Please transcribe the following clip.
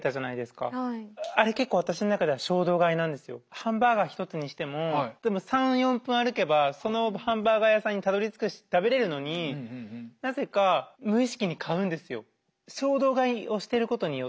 ハンバーガー１つにしても３４分歩けばそのハンバーガー屋さんにたどりつくし食べれるのになぜか無意識に買うんですよ。